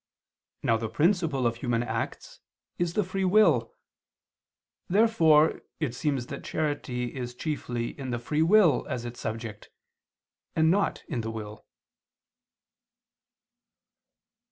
Now the principle of human acts is the free will. Therefore it seems that charity is chiefly in the free will as its subject and not in the will.